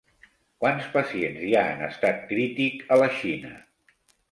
Quants pacients hi ha en estat crític a la Xina?